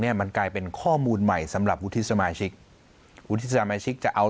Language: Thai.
มันกลายเป็นข้อมูลใหม่สำหรับวุฒิสมาชิกวุฒิสมาชิกจะเอา